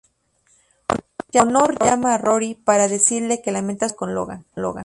Honor llama a Rory para decirle que lamenta su ruptura con Logan.